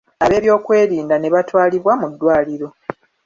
Ab'ebyokwerinda ne batwalibwa mu ddwaliro.